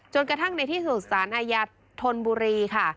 จนกระทั่งในที่ศูนย์ศาลอายาธนบุรีค่ะ